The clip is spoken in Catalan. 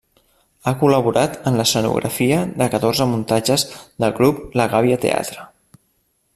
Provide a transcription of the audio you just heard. Ha col·laborat en l'escenografia de catorze muntatges del grup La Gàbia Teatre.